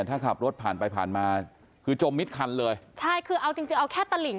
ถ้าขับรถผ่านไปผ่านมาคือจมมิดคันเลยใช่คือเอาจริงจริงเอาแค่ตลิ่ง